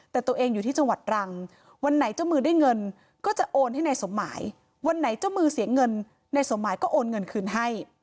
แต่ตัวเองอยู่ที่จังหวัดรังวันไหนเจ้ามือได้เงินก็จะโอนให้นายสมหมายวันไหนเจ้ามือเสียเงินนายสมหมายก็โอนเงินคืนให้